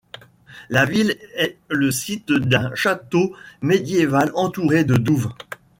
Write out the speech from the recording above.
La ville est le site d'un château médiéval entouré de douves.